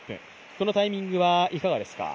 このタイミングはいかがですか？